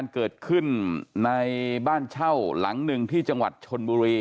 เกิดขึ้นในบ้านลังหนึ่งที่บ้านเจ้าที่จังหวัดชนบุรี